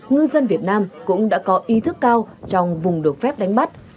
ngư dân việt nam cũng đã có ý thức cao trong vùng được phép đánh bắt